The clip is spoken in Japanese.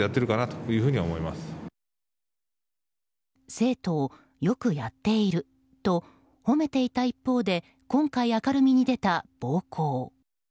生徒を、よくやっていると褒めていた一方で今回、明るみに出た暴行。